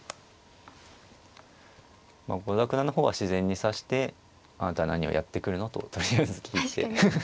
郷田九段の方は自然に指してあなたは何をやってくるのととりあえず聞いて。